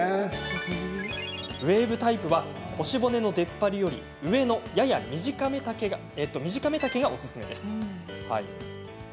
ウエーブタイプは腰骨の出っ張りより上のやや短め丈が、おすすめ。